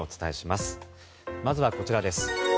まずはこちらです。